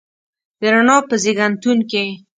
د رڼا په زیږنتون کې